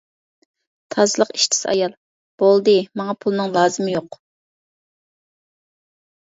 تازىلىق ئىشچىسى ئايال:بولدى، ماڭا پۇلنىڭ لازىمى يوق.